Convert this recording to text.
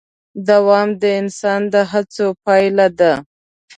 دوام د انسان د هڅو پایله ده.